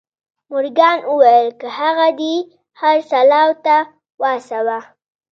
مورګان وويل که هغه دې خرڅلاو ته وهڅاوه.